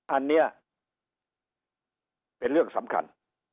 อันนี้เป็นเรื่องสำคัญ